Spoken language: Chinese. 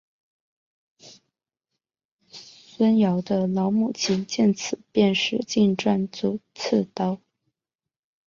孙奎的老母亲见此便使劲攥住刺刀。